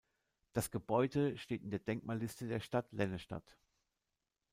Das Gebäude steht in der Denkmalliste der Stadt Lennestadt.